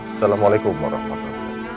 assalamualaikum warahmatullahi wabarakatuh